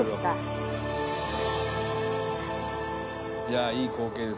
「いやいい光景です